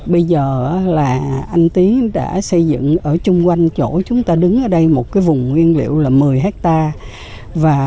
bây giờ là anh tiến đã xây dựng ở chung quanh chỗ chúng ta đứng ở đây một cái vùng nguyên liệu là một mươi hectare